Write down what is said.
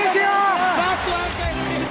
siapa kita indonesia